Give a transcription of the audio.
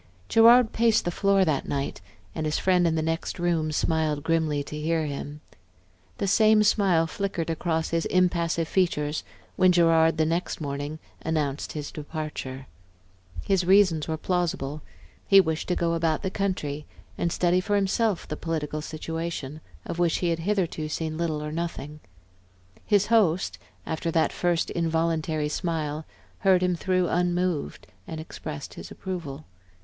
Gerard paced the floor that night, and his friend in the next room smiled grimly to hear him. The same smile flickered across his impassive features when Gerard, the next morning, announced his departure. His reasons were plausible; he wished to go about the country and study for himself the political situation of which he had hitherto seen little or nothing. His host, after that first involuntary smile, heard him through unmoved and expressed his approval.